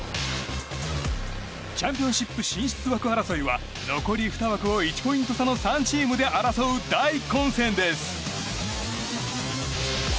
チャンピオンシップ進出枠争いは残り２枠を、１ポイント差の３チームで争う大混戦です。